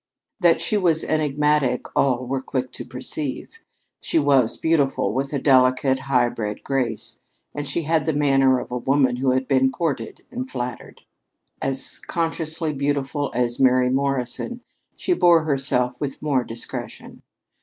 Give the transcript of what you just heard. That she was enigmatic all were quick to perceive. She was beautiful, with a delicate, high bred grace, and she had the manner of a woman who had been courted and flattered. As consciously beautiful as Mary Morrison, she bore herself with more discretion.